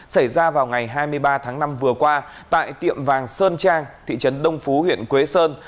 xảy ra vào ngày hai mươi ba tháng năm vừa qua tại tiệm vàng sơn trang thị trấn đông phú huyện quế sơn